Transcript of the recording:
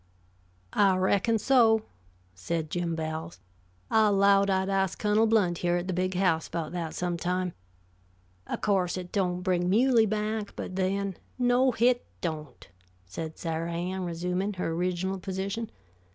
"I reckon so," said Jim Bowles. "I 'lowed I'd ast Cunnel Blount here at the Big House, about that some time. O' course it don't bring Muley back, but then " "No, hit don't," said Sarah Ann, resuming her original position.